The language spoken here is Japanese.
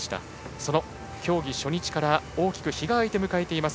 その競技初日から大きく日があいて迎えています。